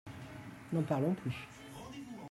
N'en parlons plus.